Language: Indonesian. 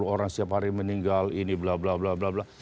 sepuluh orang setiap hari meninggal ini bla bla bla bla bla